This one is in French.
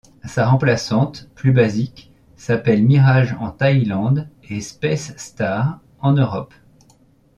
Sa remplaçante, plus basique, s'appelle Mirage en Thaïlande et Space Star en Europe.